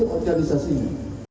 tapi organisasi ini